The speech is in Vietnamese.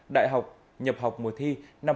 đại học nhập học mùa thi năm hai nghìn hai mươi